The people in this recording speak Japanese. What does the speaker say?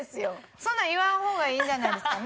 そんなん言わん方がいいんじゃないですかね